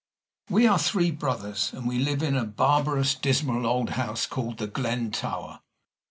We are three brothers; and we live in a barbarous, dismal old house called The Glen Tower.